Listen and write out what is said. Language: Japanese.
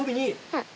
はい。